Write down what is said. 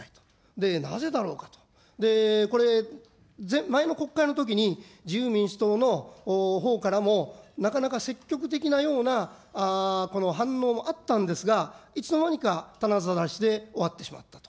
で、なぜだろうかと、これ、前の国会のときに自由民主党のほうからも、なかなか積極的なようなこの反応もあったんですが、いつの間にかたなざらしで終わってしまった。